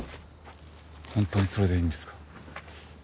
本当にそれでいいんですか？